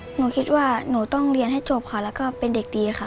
หนูคิดว่าหนูต้องเรียนให้จบค่ะแล้วก็เป็นเด็กดีค่ะ